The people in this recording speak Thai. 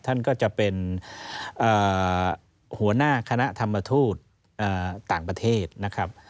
ท่านก็จะเป็นหัวหน้าคณะธรรมทูตต่างประเทศนะครับ